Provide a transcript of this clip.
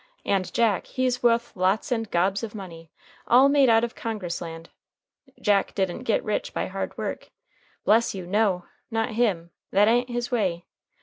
And Jack, he's wuth lots and gobs of money, all made out of Congress land. Jack didn't git rich by hard work. Bless you, no! Not him. That a'n't his way.